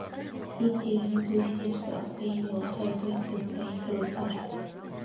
It did not receive the acclaim of "Tarkus" or "Brain Salad Surgery".